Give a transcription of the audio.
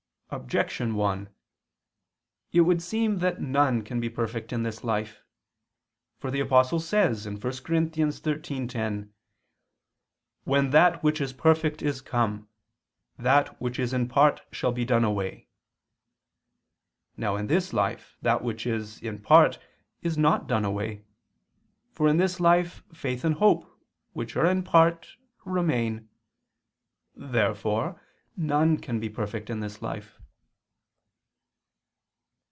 Objection 1: It would seem that none can be perfect in this life. For the Apostle says (1 Cor. 13:10): "When that which is perfect is come, that which is in part shall be done away." Now in this life that which is in part is not done away; for in this life faith and hope, which are in part, remain. Therefore none can be perfect in this life.